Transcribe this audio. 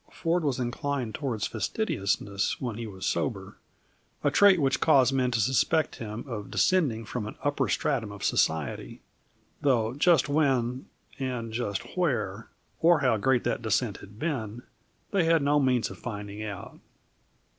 Ford was inclined toward fastidiousness when he was sober a trait which caused men to suspect him of descending from an upper stratum of society; though just when, or just where, or how great that descent had been, they had no means of finding out.